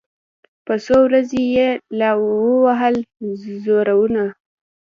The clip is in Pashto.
یو څو ورځي یې لا ووهل زورونه